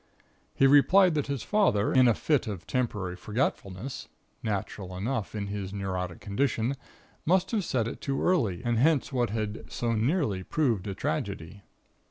He replied that his father, in a fit of temporary forgetfulness (natural enough in his neurotic condition), must have set it too early and hence what had so nearly proved a tragedy.